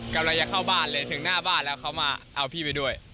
กำลังจะเข้าบ้านเลยถึงหน้าบ้านแล้วเขามาเอาพี่ไปด้วย